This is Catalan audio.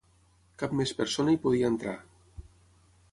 Cap més persona hi podia entrar.